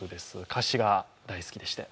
歌詞が大好きでして。